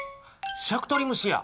シャクトリムシや。